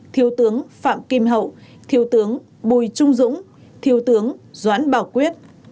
thiếu tướng phạm kim hậu thiếu tướng bùi trung dũng thiếu tướng doãn bảo quyết